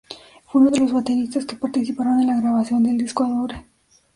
Fue uno de los bateristas que participaron en la grabación del disco Adore.